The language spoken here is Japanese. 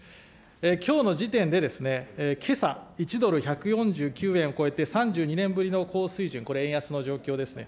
きょうの時点で、けさ、１ドル１４９円を超えて、３２年ぶりの高水準、これ円安の状況ですね。